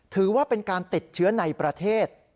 ถือว่าเป็นการติดเชื้อในประเทศ